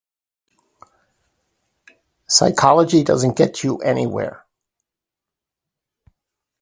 Psychology doesn't get you anywhere.